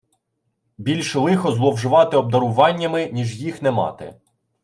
Більше лихо зловживати обдаруваннями, ніж їх не мати.